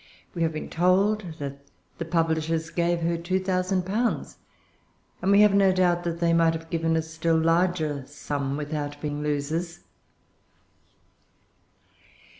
We have been told that the publishers gave her two thousand pounds, and we have no doubt that they might have given a still larger sum without being losers.